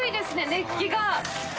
熱気が！